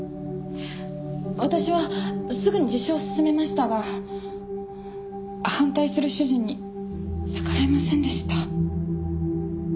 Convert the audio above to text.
私はすぐに自首を勧めましたが反対する主人に逆らえませんでした。